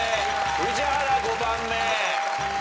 宇治原５番目。